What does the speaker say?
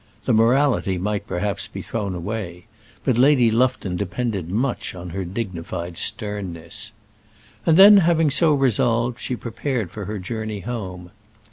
The morality might, perhaps, be thrown away; but Lady Lufton depended much on her dignified sternness. And then, having so resolved, she prepared for her journey home.